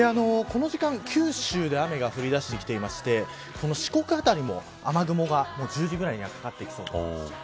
この時間九州で雨が降り出してきていて四国辺りも、雨雲が１０時ぐらいにはかかってきそうです。